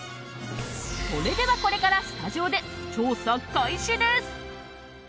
それでは、これからスタジオで調査開始です！